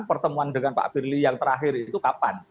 pertemuan dengan pak firly yang terakhir itu kapan